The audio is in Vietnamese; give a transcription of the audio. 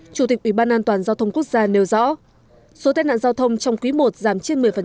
chủ tịch ủy ban an toàn giao thông quốc gia nêu rõ số tên nạn giao thông trong quý i giảm trên một mươi